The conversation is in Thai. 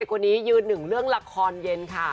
คนนี้ยืนหนึ่งเรื่องละครเย็นค่ะ